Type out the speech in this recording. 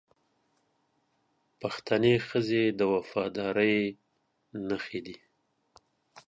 پښتنې ښځې د وفادارۍ نښې دي